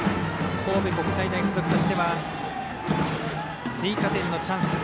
神戸国際大付属としては追加点のチャンス。